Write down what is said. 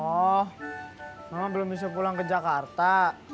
oh memang belum bisa pulang ke jakarta